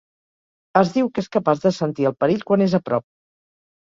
Es diu que és capaç de sentir el perill quan és a prop.